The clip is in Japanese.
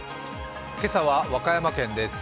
今朝は和歌山県です。